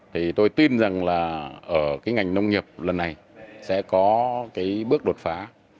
thì tôi tin rằng là ở cái ngành nông nghiệp lần này sẽ có cái bước đột phá